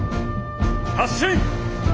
発進！